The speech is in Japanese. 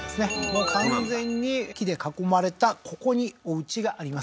もう完全に木で囲まれたここにおうちがあります